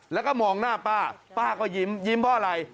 แล้วก็มองหน้าป้าป้าก็ยิ้มยิ้มเพราะอะไร